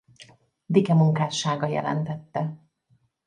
Dicke munkássága jelentette.